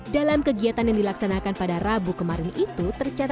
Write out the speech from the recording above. dalam kegiatan yang dilaksanakan pada rabu kemarin itu